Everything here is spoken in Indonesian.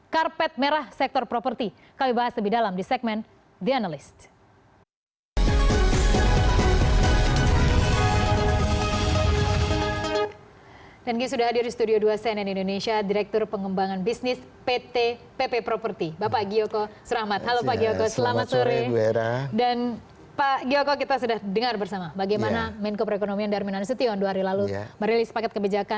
karpet merah sektor properti kami bahas lebih dalam di segmen the analyst